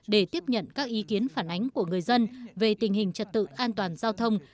để tiếp nhận các ý kiến phản ánh của người dân về tình hình trật tự an toàn giao thông